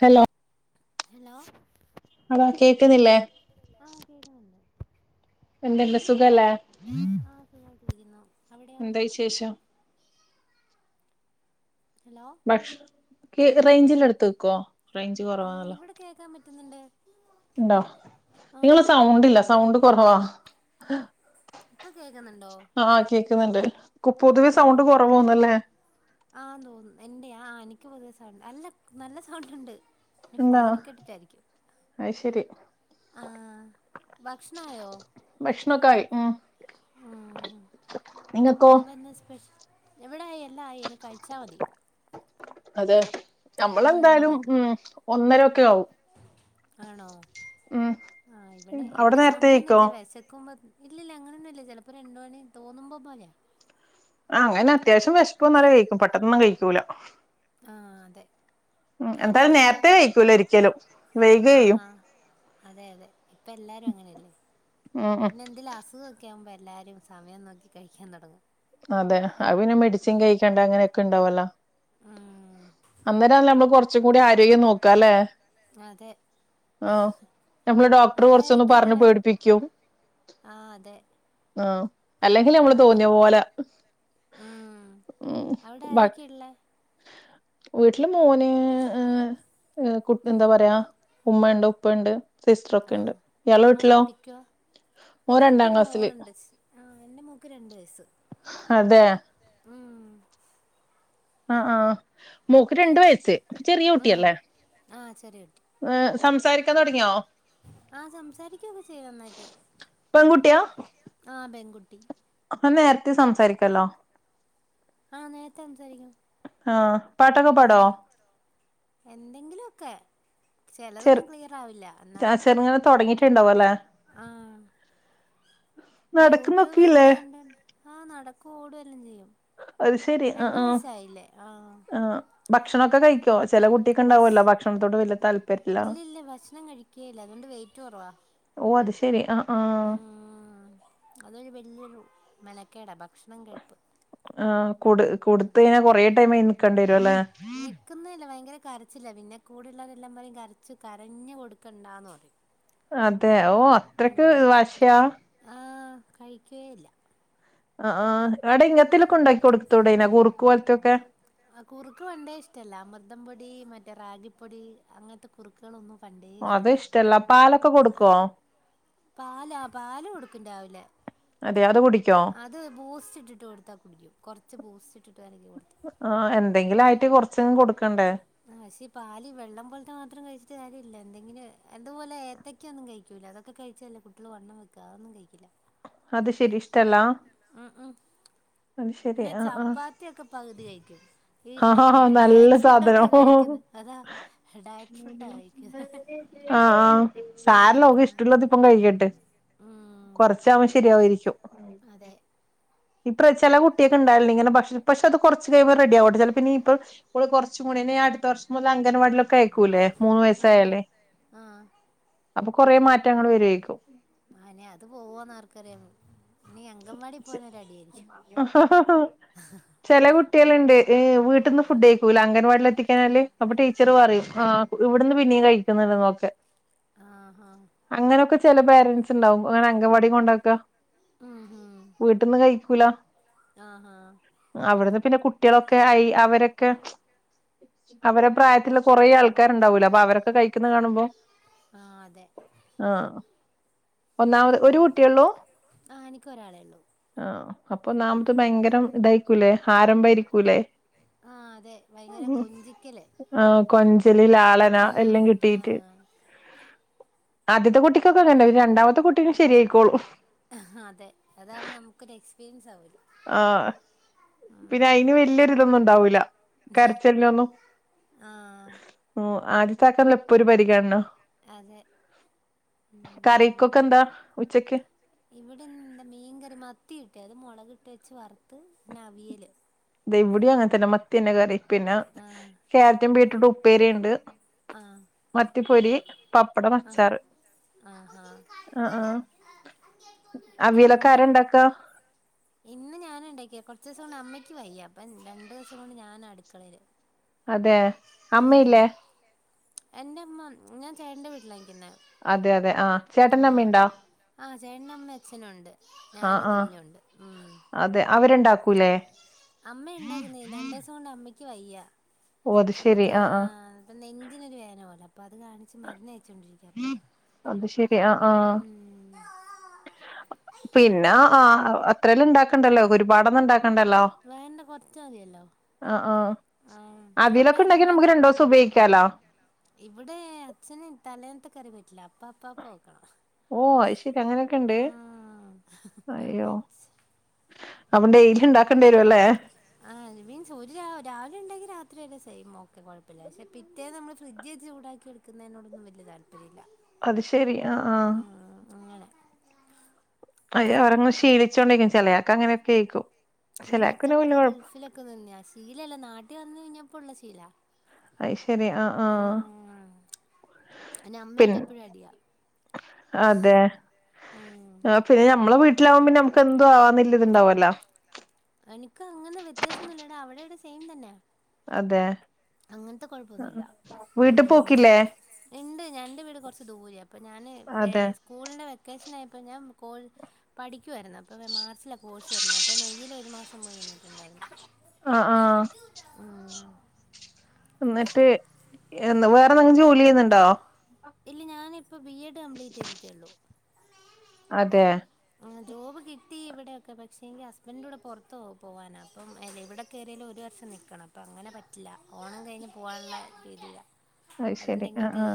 Hello hello Hala കേക്കുന്നില്ലേ ആഹ് കേക്കുന്നുണ്ട് ന്നെന്ത് സുഖല്ലേ. [inaudible] എന്താ വിശേഷം ഹലോ ഭകഷ് കെ റേഞ്ച് ഉള്ളെടുത്ത് നിക്കുവോ റേഞ്ച് ആഹ് കൊറവാന്നല്ലോ. ഇവിടെ കേക്കാൻ പറ്റുന്നുണ്ട് ഉണ്ടോ ആഹ് നിങ്ങള് സൗണ്ടില്ല സൗണ്ട് കുറവാ. ഇപ്പൊ കേക് ആഹ് കേക്കുന്നുണ്ട് പൊതുവെ ആഹ് സൗണ്ട് ആഹ് കുറവോന്നല്ലേ. ആന്ന് തോന്നുന്നു എൻ്റെ ആഹ് എനിക്ക് പുതിയ സൗണ്ട് അല്ല നല്ല സൗണ്ട് ഉണ്ട് ഇനി ഫോണി കേട്ടിട്ട് ആയിരിക്കും. അയി ശെരി. ആഹ് ഭക്ഷണായോ? ണൊക്കെ ആയി ഉം ഉം നിങ്ങക്കോ ഇന്ന് എന്താ സ്പെഷ്യൽ? ഇവിടെ ആയി എല്ലാം ആയി ഇനി കഴിച്ചാ മതി അതെ ഉം നമ്മളെന്തായാലും ഉം ഒന്നരൊക്കെ ആവും ആണോ ഉം ആഹ് ഇവിടെ അവിടെ ഇവിടെ നേരത്തെ സമയോന്നും കഴിക്കോ ഇല്ല വെശക്കുമ്പം ഇല്ലി ഇല്ല അങ്ങനെയൊന്നും ഇല്ല ചെലപ്പോ രണ്ട് മണി തോന്നുമ്പോ പോലെയാ ആഹ് അങ്ങനെ അത്യാവശ്യം വിശെപ്പ് വെന്നാൽ കഴിക്കും പെട്ടന്നൊന്നും കഴിക്കുലാ ആഹ് അതെ ഉം എന്തായാലും ആരൊക്കെയുണ്ട് നേര്ത്തെ അവിടെ കഴിക്കൂലാ ഒരിക്കെലും വൈകെയ്യും ആഹാ അതെ അതെ ഇപ്പ എല്ലാരും അങ്ങനെയല്ലെ? ഉം ഉം പിന്നെ എന്തെലും അസുഖം ഒക്കെ ക്കെ ആവുമ്പോ എല്ലാരും സമയം നോക്കി കഴിക്കാൻ തൊടങ്ങും അതെ അയ് പിന്നെ മെഡിസിൻ കഴിക്കെണ്ടെ അങ്ങനെയൊക്കെ ഇണ്ടാവോല്ലോ ഉം അന്നേരം ആണല്ലോ നമ്മെ ൾ കൊർച്ചും കൂടി ആരോഗ്യം നോക്കാ അല്ലെ? അതെ ആഹ് ഞമ്മളെ ഡോക്ടർ അവിടെ കൊർച്ചൊന്ന് ആരൊക്കെയാ പർഞ്ഞ് ഉള്ളേ പേട്പ്പിക്കും ആഹ് അതെ അല്ലെങ്കിൽ നമ്മെ ൾ തോന്നിയ പോലെ ആഹ് അയുടെ ആരൊക്കെ ഇള്ളെ? വീട്ട്ൽ മോന് ഏഹ് ഏഹ് കുട്ട് എന്താ പറയാ ഉമ്മയിണ്ട് ഉപ്പയിണ്ട്‌ സിസ്റ്റെർ ഒക്കെ ഇണ്ട് ഇയാളെ വീട്ട്ലോ? എനിക്കൊര് മോൾ ഇണ്ട് സ് ആഹ് എന്റെ മോക്ക് രണ്ട് വെയ്സ്സ് ഹതെ ആഹ് ആഹ് ആഹ് മോക്ക് രണ്ട് വയസ്സ് ചെറിയ ഉം കുട്ടിയല്ലേ ആഹ് ചെറിയ കുട്ടി ഏഹ് സംസാരിക്കാൻ തുടങ്ങിയോ ആഹ് സംസാരിക്കുക്കെ ചെയ്യും നന്നായിട്ട് പെൺകുട്ടിയാ ആഹ് പെൺകുട്ടി അപ്പോ നേരത്തെ സംസാരിക്കല്ലോ ആഹ് നേരത്തെ സംസാരിക്കും ആഹ് പാട്ടൊക്കെ പാടോ എന്തെങ്കില്ലും ഒക്കെ ചെറു ചിലതൊന്നും ക്ലിയർ ആവില്ല എന്നാലും ഒണ്ടാവ അല്ലേ ആഹ് ഈ യൂട്യൂബ് നടക്കുന്നൊക്കെയില്ലേ ഇങ്ങനെ കണ്ട് ആഹ് നടക്കും ഓടും എല്ലാം ചെയ്യും അത് ശെരി ആഹ് രണ്ട് ആഹ് വയസ്സായില്ലേ ആഹ് ഭക്ഷണൊക്കെ കഴിക്കൊ ഭഷ് താല്പര്യല്ല ഇല്ല ഇല്ല ഭക്ഷണം കഴികേല്ല അതുകൊണ്ട് വെയിറ്റ് കുറവാ ഓഹ് അത് ശരി അ ആഹ് ഉം അതൊരു വലിയൊരു മെനക്കേടാ ഭ ആഹ് കൊടു കൊടുത്ത കഴിഞ്ഞാ കൊറെ ടൈം അയിന് നിക്കേണ്ടി വരും അല്ലെ നിക്കുന്നല്ല ഭയങ്കര കരച്ചില്ല പിന്നെ കൂടെള്ളരെ എല്ലാം പറയും കരച്ചു കരഞ്ഞു കൊടുക്കണ്ടാന്ന് പറയും അതെ ഓ അത്രക്ക് വാശയാ കഴിക്കേയില്ല ആ ആ ഇങ്ങത്തിലൊക്കെ ഉണ്ടാക്കി കൊടുക്കത്തോടന കുറുക്ക് പോലത്തൊക്കെ ആ കുറുക്ക് വേണ്ടേ ഇഷ്ടല്ല അ മൃദം പൊടി മറ്റേ റാഗിപ്പൊടി അങ്ങനത്തെ കുറുക്കുകളൾന്നും അത് ഇഷ്ടല്ല പാലൊക്കെ കൊടുക്കുവോ പാലാ പാല്ല് കൊടുക്കുംരാവിലെ അതെ അത് കുടിക്കോ അത് ബൂസ്റ്റ് ഇട്ടിട്ട് കൊടുത്താ കുടിക്കും കൊറച്ച് ബൂസ്റ്റ് ഇട്ടിട്ട് വരഗി കൊടുത്ത ആ എന്തെങ്കിലും ആയിട്ട് കൊറച്ചും കൊടുക്കണ്ടേ പക്ഷേ പാലി വെള്ളം പോലത്തെ മാത്രം കഴിച്ചിട്ട് കാര്യമില്ലല്ല എന്തെങ്കിലും എന്തതുപോലെ ഏത്തക്ക ഒന്നും കഴിക്കൂ അതൊക്കെ കഴിച്ചല്ലേ കുട്ടികള് വണ്ണം വെക്കുക അതൊന്നും കഴിക്കില്ല തല ഉം ഉം പിന്നെ ചപ്പാത്തി ഒക്കെ പകുതി കഴിക്കും ഈഹേ ആഹ് ആഹാ മറ്റേ നല്ല ഡയറ്റ് ഫുഡ സാധനം ഒക്കെയ കഴിക്കന്ന് ആഹ് അതാ ഡയറ്റ് ഫുഡാ കഴിക്ക ആഹ ആഹ് സാരല്ല ക്ക ഇഷ്ടള്ളതിപ്പം കഴിക്കട്ടെ ഉം കൊറ ശരിയാവരിക്കും അതെ ഇപ്പ ചില കുട്ടിയൊക്കെ ഉണ്ടായി ഇങ്ങനെക്ഷ പക്ഷെ അത് കുറച്ച് കഴിയ്പോ റെഡി ആകട്ടെ ച പിന്നെ ഇപ്പ കുറച്ച പിന്നെ അടുത്ത വർഷം മുതൽ അംഗൻവാടിയിൽ ഒക്കെ കൾക്കൂലേ മൂന്ന് ആഹ് വയസായാലേ ആഹ് അപ്പൊ കൊറ മാറ്റങ്ങൾ വരുക്കും ആനെ അത് പോവാന്ന് ആർക്കറിയിണ് ച് ആഹ് ആഹ് ചെല കുട്ടി കുട്ടിഡ് വീട്ടീന്ന് ഫുഡ് കക്കൂല അങ്കൻവാടി എത്തികയിന്നല് അപ്പൊ ടീച്ചർ പറയും അ ഇവിടുന്ന് പിന്ന നീ കഴിക്കുന്നന്നൊക്കെ ആഹ് ആഹ് അങ്ങനെയൊക്കെ ചെില പേരൻറ്സ് ഉണ്ടാവും അങ്ങനെ അംഗവാടി കൊണ്ടാക്ക ഉം ഉം വീട്ടന്ന് കഴിക്കൂല ആഹ് ആഹ് അവിടുന്ന് പിന്നെ കുട്ടികളൊക്കെ ആയി അവരൊക്കെ അവരെ പ്രായത്തിലുള്ള കൊറെേ ആൾക്കാര്ണ്ടാവൂല അപ്പൊ അവരൊക്കെ കഴിക്കുന്ന കാണുമ്പോ ആ അതെ ആഹ് ഒന്നാമത് ഒരു കുട്ടിയള്ളൂ ആഹ് എനിക്കൊരാളേ ഉള്ളൂ ആ അപ്പൊ നാമതേ ആഹ് ഭയങ്കരം ഇതായിക്കൂലേ ആരംഭയിരിക്കൂലേ ആഹ് അതെ ഭയങ്കര കൊഞ്ചിക്കല് ആ കൊഞ്ചല് ലാളന ഉം എല്ലാം കിട്ടീട്ട് ആഹ് ആദ്യത്തെ കുട്ടിക്കൊക്കെങ്ങെ രണ്ടാമത്തെ കുട്ടിക്ക്‌ ശരിയയിക്കോള്ളും അതെ അതാകുമ്പോൾ നമുക്കൊരു എക്സ്പീരിയൻസ് ആവൂ ആ പിന്നെ അയിന് വലിയൊരി ഇതൊന്നും ഉണ്ടാവൂല്ല കരച്ചലിനൊന്നും ആഹ് ഉം ആദ്യത്തൊക്കല്ല എപ്പോ ഒരു പരിഗണണ അതെ കറികൊക്ക് എന്താ വി ഇവിടിന്താ മീങ്കറി മത്തിയിട്ടെ അത് മൊളക് ട്ടെച്ച് വർത്ത് പിന്നവിയല് ഇതെവിടേം അങ്ങനത്തന്നെ മത്തി അന്നെ കറി പിന്നെ ആഹ് ക്യാരറ്റും ബീട്രൂട്ടും ഉപ്പേരി ഇണ്ട് ആ പൊരി പ ആ ആ ആ ആ കൊച്ചിന് ആ ആ കളിപ്പാട്ടം ആ അങ്ങെ അവിയലൊക്കെ ആരൊണ്ടാക്കാ ഇന്ന് ഞാനാ ഇണ്ടാക്കിയെ കൊറച്ചീസം കൊണ്ട് അമ്മയ്ക്ക് വയ്യ അപ്പ രണ്ടൂസം കൊണ്ട് ഞാനാ അടുക്കളേല് അതെ അമ്മയില്ലേ എന്റെ അമ്മ ഞാൻ ചേട്ടൻ്റെ വീട്ടിലായി അതെ അതെ ആ ചേട്ടൻ്റെ അമ്മ ഇണ്ടാ ആഹ ചേട്ടൻ്റമ്മേം അച്ഛനും ഒണ്ട് ആ ഞാനും ആ കുഞ്ഞുണ്ട് ഒണ്ട് അതെ അവരുണ്ടാക്കൂലേ അമ്മെ ഇണ്ടാക്കുന്ന രണ്ടൂസം കൊണ്ട് അമ്മയ്ക്ക് വയ്യ ഓ അത് അപ്പൊ ശെരി ക ആ ആ പ്പ നെഞ്ചിനൊരു വേദന പോലെ പ്പൊ അത് കാണിച്ച് മരുന്ന് കയിച്ചോണ്ടിരിക്കാ അപ്പൊ അത് ശെരി ആ ആ ഉം പിന്നെ അ അ അത്രേലും ഇണ്ടാക്കണ്ടല്ലോ ഒരുപാടനൊന്നും ഇണ്ടാ വേണ്ട കൊറച്ച് മതിയല്ലോ ആ ആ ആഹ് അവിടെ അവിലൊക്കെ ആരാ ഇണ്ടെങ്കി നമുക്ക് ഇണ്ടാക്ക രണ്ടൂസം ഉപയോഗിക്കാലോ ഇവിടെ അച്ഛന് തലേന്നത്തെ കറി പറ്റില്ല അപ്പാപ്പാ പോ ഓ ഐശെര്യ അങ്ങനൊക്കെ ഇണ്ട് ആഹ് അയ്യോ അപ്പ ഡെയ്ലി ഇണ്ടാക്കണ്ടി വരു അല്ലേ ആ [unintelligible] ബീൻസ് ഒരു രാ രാവിലെ ഇണ്ടെങ്കി രാത്രിയില്ല സെയിം ഓക്കെ കൊഴപ്പില്ല പക്ഷെ പിറ്റേന്ന് അമ്മള് ഫ്രിഡ്ജ് [unintelligible] ചൂടാക്കി എടുക്കുന്നേനോടൊന്നും വല്യ താൽ അത് ശരി ആ ആ ആഹ് അങ്ങനെ അ [unintelligible] അവരങ്ങ് ശീവിച്ചോണ്ടെ [unintelligible] ചിലയാക്ക് അങ്ങനെയൊക്കേയ്ക്കും ഇല്ലാ അച്ഛൻ കൊറെേ ഗൾഫിലൊക്കെ നിന്നയാ ശീലല്ലാ നാട്ടി വന്ന് കഴിഞ്ഞപ്പൊള്ള ശീലാ ഐശരി ആ ആ ഉം അയിന് അമ്മായിട്ട് എപ്പഴും അടിയാ അതെ ഉം ആ പിന്നെ അമ്മളെ വീ ട്ടിലാവുമ്പിന്നെ അമുക്ക് എന്തും ആവാന്നില്ല ഇതുണ്ടാവു അല്ലാ എന്ക്ക് അങ്ങനെ വ്യത്യാസം ഒന്നും ഇല്ലടാ അവിടെടേം സെയിം തന്നെ അതെ വീട്ടി പോക്കില്ലേ ഇണ്ട് ഞന്റെ വീട് കൊറച്ച് ദൂരാ അപ്പ ഞാന് വെ അതെ സ്കൂളിന്റെ വെക്കേഷനായ പ്പം ഞാൻ കോൾ പഠിക്കുവായിരുന്നു അപ്പൊ മാർച്ചിലാ കോഴ്സ് തീർന്നെ അപ്പം മെയ്യില് ഒരു മാസം പോയി നിന്നിട്ടിണ്ടാര്ന്ന് ആഹ് ആ ഇന്നിട്ട് എന്ന് വേറെന്തെങ്കിലും ജോലി ചെയ്യുന്നൊണ്ടോ ഇല്ല ഞാനിപ്പ ബി എഡ് കംപ്ലീറ്റ് ചെയ്തിട്ടേ ഒള്ളു അതെ ജോബ് കിട്ടി ഇവിടെയൊക്കെ പക്ഷെങ്കി ഹസ്ബൻ്റിൻ്റൂടെ പൊറത്ത് പോവാനാ അപ്പം [unintelligible] എവിടെ കേറ്യാലും ഒരു സം നിക്കണം അപ്പൊ അങ്ങനെ പറ്റില്ല ഓണം കയിഞ്ഞ് പൂവാനുള്ള രീതീലാ ഐശരി ആ ആ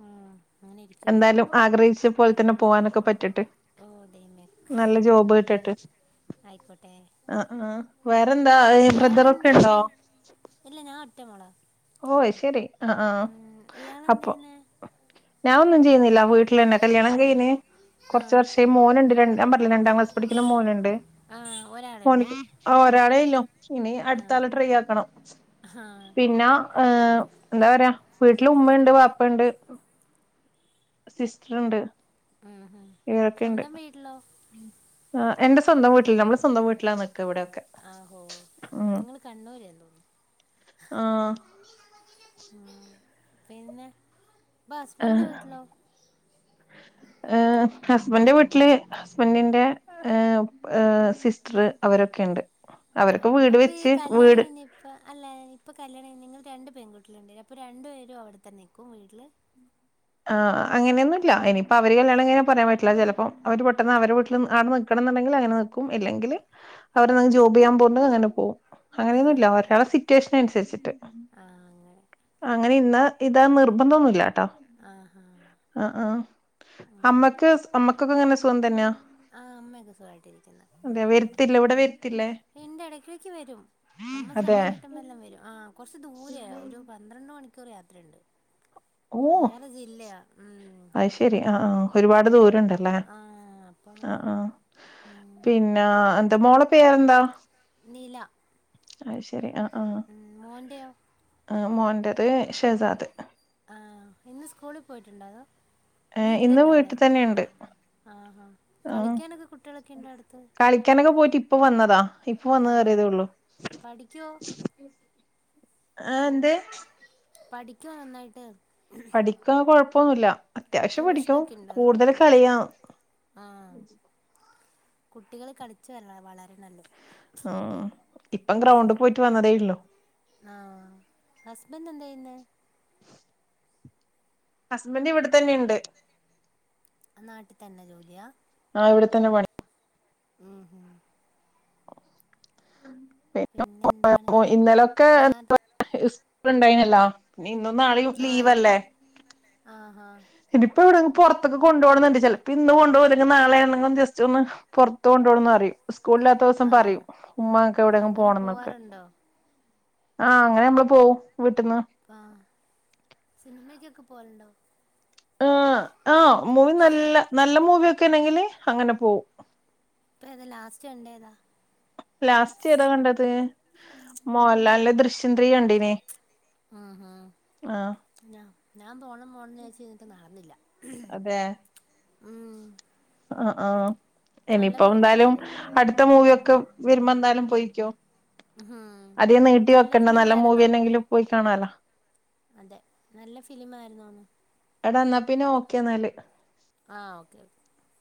ഹാ എന്താലും ആഗ്രഹിച്ച പോല തന്നെ പോവാനൊക്കെ പറ്റട്ട് ഓ ദൈവമേ നല്ല ജോബ് താ- കിട്ടട്ട് ആയിക്കോട്ടെ ആ ആ വേറെന്താ ബ്രദറൊക്കെ ഇയാളെന്ത് ഇണ്ടോ ചെയ്യുന്നേ [inaudible] ഓ ഐശരി ആ ആ ഇയാളെന്ത് അപ്പൊ ചെയ്യുന്നേ ഞാ ഒന്നും ചെയ്യുന്നി ഇല്ലാ വീട്ടില് അന്നെ കല്യാണം കയിന് ആ കുറച്ച് വർഷേ ഈ മോനുണ്ട് രണ്ടാം പറില്ല രണ്ടാം ക്ലാസ് പഠിക്കുന്ന മോനുണ്ട് ആ ഒരാളേ ഉള്ളൂ അവ ഒരാളെ ഇല്ലോ ഇനി ആ അടുത്താാല ട്രൈ ആക്കണം ആ പിന്നെ ഏ എന്താ പറയാ വീട്ടില് ഉമ്മുണ്ട് പാപ്പുണ്ട് സിസ്റ്റർ ഉണ്ട് ഉം, ഉം. ഇതൊക്കെുണ്ട്് സ്വന്തം വീട്ടിലോ എന്റെ സ്വന്തം വീട്ടില് നമ്മള സ്വന്തം വീട്ടിലാ ഇവിടെയൊക്കെ ആഹോ ഉം നിങ്ങള് കണ്ണൂര് തോന്നുന്നു ആഹ് ഉ പിന്നെ ഇപ്പ ഹസ്ബൻഡിലെ വീട്ടിലോ ഹസ്ബൻന്റെ വീട്ടില് ഹസ്ബൻഡന്റെ സിസ്റ്റർ അവരൊക്കെുണ്ട് ആ അവരൊക്കെ വീട് അപ്പോൾ ഈ വെച്ച് കല്യാണം വീട് കഴിഞ്ഞ് ഇപ്പം അല്ല ഇപ്പൊ കല്യാണം നിങ്ങള്ൾ രണ്ടണ്ട് പെൺകുട്ടികളുണ്ട അപ്പൊ രണ്ടു പേും അവിടെത്തന്നെ നിക്കും വീട്ടില് ഉം ആ അങ്ങനൊന്നുമല്ല ഇനിയിപ്പൊ അവര് കല്യാണം ഇങ്ങനെ പറയാൻ പറ്റില്ല ചിലപ്പോ അവര് പെട്ടെന്ന് അവരെ വീട്ടിൽ ആടെ നക്കണ എന്നണ്ടെങ്കിൽ അയിന് നിക്കും അല്ലെങ്കിൽ വേറെ എന്തെങ്കിലും ജോബ് ചെയ്യാൻ പോവ്ണ്ടേൽ അങ്ങനെ പോകും ആ അങ്ങനെയൊന്നുമല്ല ഒരാള സിറ്റുവേഷന് അനുസരിച്ചിട്ട് ആ അങ്ങനെ അങ്ങനെ ഇന്ന് ഇതാ നിർബന്ധന്നുല്ല ആഹ് അ ആഹ് അമ്മക്ക് അമ്മക്കൊക്കെ എങ്ങനെ സുഖം തന്നെയാ ആഹ് അമ്മയക്കെ സുഖായിട്ടിരിക്കുന്നു അതെ വരുത്തില്ലേ ഇവിടെ ഉം വരുത്തില്ലേ ഇണ്ട് ഇടക്കിടക്ക് വരും അമ്മ അതെ സമയം കിട്ടുമ്പോ എല്ലാം വരും ആഹ് കൊറച്ച് ദൂരെയാ ഒരു പന്ത്രണ്ട് മണി ക്കൂർ യാത്രയുണ്ട് ഓഹ് വേറെ ജില്ലയാ ഉം അത് ശെരി ആഹ് ആഹ് ഒരുപാട് ദൂരണ്ടല്ലേ ആ അപ്പം അ ആഹ് ഉം പിന്നെ ട്ട മോള പേരെന്താ? നില. അത് ശരി ആഹ് ആഹ് ഉം മോൻ്റെയോ ആഹ് മോറത് ഷെസാദ്. ആഹ് ഇന്ന് സ്കൂളിൽ പോയിട്ടുണ്ടതോ. ഏഹ് ഇന്ന് വീട്ടിൽ തന്നെ ഉണ്ട്. ആഹാ കളിക്കാനൊക്കെ കുട്ടികളൊക്കെ ഇണ്ടോ അടുത്ത്. ഇപ്പൊ വന്നതാ ഇപ്പ വന്ന് ആ കേറിയതേ ഉള്ളു. പഠിക്കുവോ ആഹ് എന്ത്? പഠിക്കുവോ നന്നായിട്ട്? പഠിക്ക കൊഴപ്പൊന്നുല്ല. അത്യാവശ്യം പഠിക്കും ട്യൂഷനൊക്കെ ഉണ്ടോ അതോ കൂടുതൽ കളിയാം. കുട്ടികൾ കളിച്ചു വരളെ വളരണള്ള്. ആഹ് ഇപ്പം ഗ്രൗണ്ട് പോയിട്ട് വന്നതേ ഇള്ളു. ബന്റ് എന്തെയ്യുന്നെ? ഹസ്ബന്റ് ഇവിടെ തന്നെണ്ട്. നാട്ടി തന്നെ ജോലിയാ? ആഹ് ഇവിടെ തന്നെ പണി. ഉം ഹും. പിന്നെ എന്താണ് [unintelligible] ഇന്നലൊക്കെ ഞാൻ [unintelligible] സ്കൂണ്ടായിനല്ലോ. ഇന്നും നാളെയും ആഹ് ലീവ് ഇന്ന് അല്ലെ? ആഹാ ഇതിപ്പ എവിടെങ്കും പുറത്തൊക്കെ കൊണ്ട് പോണന്നുണ്ട് ചെലപ്പോ ഇന്ന് കൊണ്ട് പോവും അല്ലെങ്കി നാളെ ആണെങ്കും ജസ്റ്റ് ഒന്ന് ഇത്ത കൊണ്ടോണം ന്നറീം സ്കൂളിലാത്ത ദിവസം ആഹ് പറയും ഉമ്മ എനക്ക് ആഹ് എവിടെയെങ്കിലും അങ്ങനെ പോണം ന്നൊക്കെ. പോവാറുണ്ടോ ആഹ് അങ്ങനെ ഞമ്മള് പോവും. വീട്ടിന്ന് ആഹ് സിനിമക്കൊക്കെ പോലുണ്ടോ? ആഹ് ആഹ് മൂവി നല്ല നല്ല മൂവി ഒക്കെ ആണെങ്കില് അങ്ങനെ പോവും. ഇപ്പേതാ ലാസ്റ്റ് കണ്ടേതാ ലാസ്റ്റ് ഏതാ കണ്ടത് മോഹൻലാല്ന്റെ ദൃശ്യം ത്രീ കണ്ടിനീ ആഹ് ഹാ ഞാ ഞാൻ പോണം [unintelligible] നടന്നില്ല അതെ ഉം ആഹ് ആഹ് നല്ല എനിയിപ്പൊ ഫിലിമാണോ എന്തായാലും അത് അട്ത്ത മൂവിയൊക്കെ വെരുമ്പെന്തായാലും പൊയിക്ക്യോ ഉം അധികം നീട്ടി വെക്കണ്ട നല്ല മൂവിയന്നേങ്കിലു പോയി കാണാലോ അതെ നല്ല ഫിലിമാരുന്നു ആന്ന് എടാ ന്നാ പിന്നെ ഓക്കേന്നാല് ആഹ് ഓക്കെ ഓ